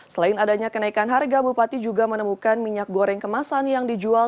selain adanya kenaikan harga bupati juga menemukan minyak goreng kemasan yang dijual